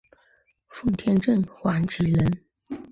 奉天正黄旗人。